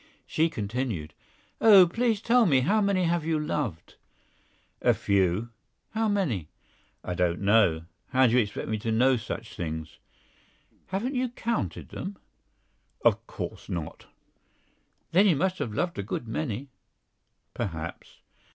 She continued: "Oh! please tell me. How many have you loved?" "A few." "How many?" "I don't know. How do you expect me to know such things?" "Haven't you counted them?" "Of course not." "Then you must have loved a good many!" "Perhaps."